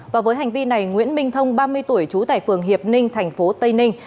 và với hành vi này nguyễn minh thông ba mươi tuổi trú tại phường hiệp ninh tp tây ninh